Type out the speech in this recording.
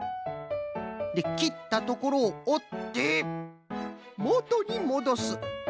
できったところをおってもとにもどす。